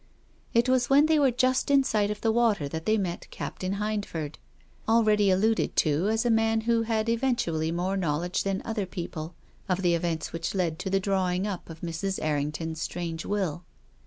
It was when they were just in sight of the water that they met Cap tain Hindford, already alluded to as a man who had eventually more knowledge than other people THE LADY AND THE BEGGAR. 349 of the events which led to the drawing up of Mrs. Errington's strange will.